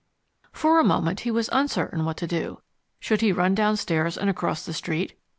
For a moment he was uncertain what to do. Should he run downstairs and across the street?